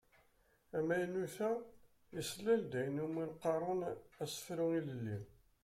Amaynut-a yeslal-d ayen i wumi qqaren asefru ilelli.